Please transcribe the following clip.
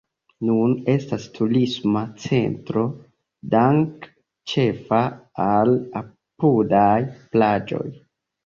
Nun estas turisma centro danke ĉefa al apudaj plaĝoj.